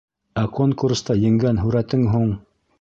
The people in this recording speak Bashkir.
Ә конкурста еңгән һүрәтең һуң?